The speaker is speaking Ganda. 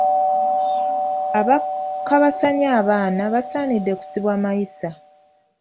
Abakabasanya abaana basaanidde kusibwa mayisa.